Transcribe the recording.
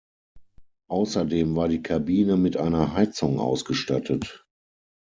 Außerdem war die Kabine mit einer Heizung ausgestattet.